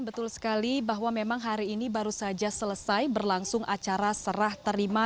betul sekali bahwa memang hari ini baru saja selesai berlangsung acara serah terima